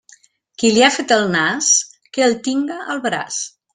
Qui li ha fet el nas, que el tinga al braç.